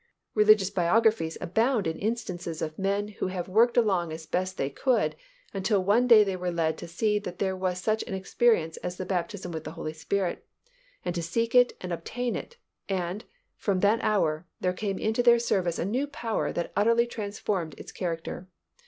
Religious biographies abound in instances of men who have worked along as best they could, until one day they were led to see that there was such an experience as the baptism with the Holy Spirit and to seek it and obtain it and, from that hour, there came into their service a new power that utterly transformed its character.